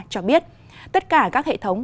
cho biết tất cả các hệ thống